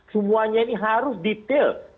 semuanya ini harus detail